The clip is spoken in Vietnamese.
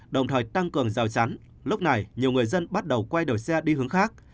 đồng thời tăng cường rào chắn lúc này nhiều người dân bắt đầu quay đổi xe đi hướng khác